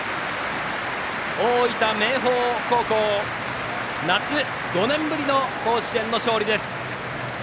大分・明豊高校夏、５年ぶりの甲子園の勝利です。